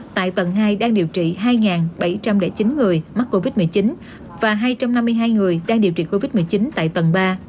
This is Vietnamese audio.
tại tầng hai đang điều trị hai bảy trăm linh chín người mắc covid một mươi chín và hai trăm năm mươi hai người đang điều trị covid một mươi chín tại tầng ba